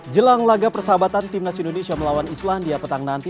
jelang laga persahabatan timnas indonesia melawan islandia petang nanti